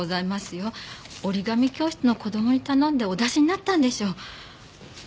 折り紙教室の子供に頼んでお出しになったんでしょう。